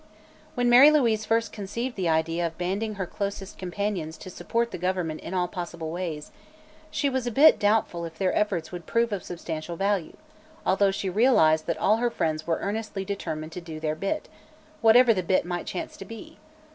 When Mary Louise first conceived the idea of banding her closest companions to support the government in all possible ways, she was a bit doubtful if their efforts would prove of substantial value, although she realized that all her friends were earnestly determined to "do their bit," whatever the bit might chance to be.